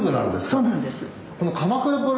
そうなんです。